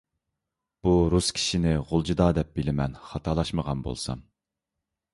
بۇ رۇس كىشىنى غۇلجىدا دەپ بىلىمەن، خاتالاشمىغان بولسام.